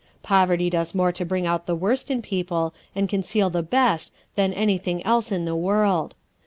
Poverty does more to bring out the worst in people and conceal the best than anything else in the world.